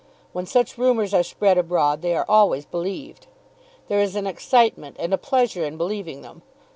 When such rumours are spread abroad, they are always believed. There is an excitement and a pleasure in believing them.